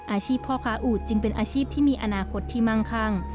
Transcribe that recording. อาชีพพ่อค้าอูดจึงเป็นอาชีพที่มีอนาคตที่มั่งคั่ง